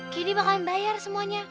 kini bakalan bayar semuanya